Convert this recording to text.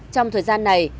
trong thời gian này